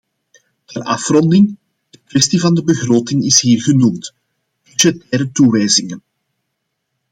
Ter afronding, de kwestie van de begroting is hier genoemd: budgettaire toewijzingen.